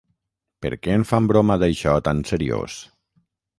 Per què en fan broma d'això tan seriós?